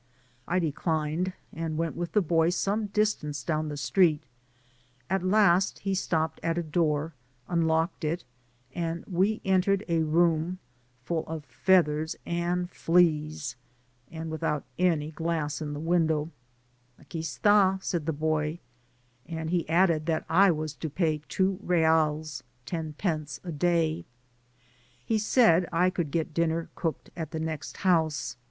I declined, and went with the boy some distance down the street ; at last he stopped at a door, un* Digitized byGoogk THE GAEAT COADILLERA. 179 locked it, and we entered a room full of feathers and fleas, and without any glass in the window. *^ Aqui st6/ siuyd the boy, and he added that I was to pay two reals (ten pence) a day. He said I could get dinner cooked at the next house.